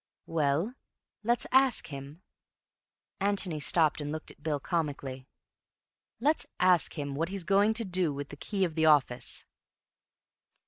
"Well, let's ask him—" Antony stopped and looked at Bill comically, "let's ask him what he's going to do with the key of the office."